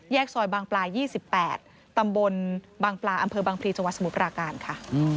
แยกซอยบางปลายี่สิบแปดตำบลบางปลาอำเภอบางพลีจังหวัดสมุพระอาการค่ะ